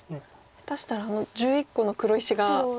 下手したらあの１１個の黒石が。